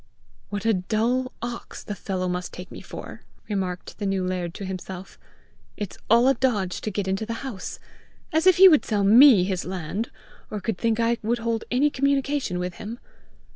"What a dull ox the fellow must take me for!" remarked the new laird to himself. "It's all a dodge to get into the house! As if he would sell ME his land! Or could think I would hold any communication with him!